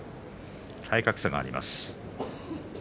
体格差があります。